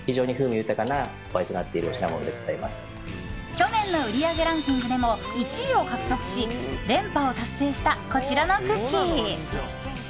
去年の売り上げランキングでも１位を獲得し連覇を達成したこちらのクッキー。